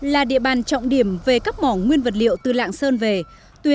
là địa bàn trọng điểm về các mỏ nguyên vật liệu từ lạng sơn về